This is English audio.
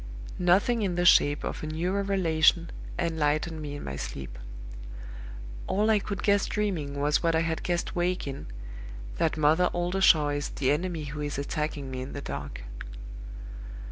Nothing in the shape of a new revelation enlightened me in my sleep. All I could guess dreaming was what I had guessed waking, that Mother Oldershaw is the enemy who is attacking me in the dark.